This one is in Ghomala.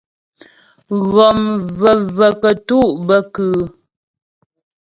Ghɔm vəvə kətú' bə kʉ́ʉ́ ?